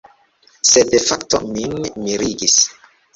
Sed fakto min mirigis.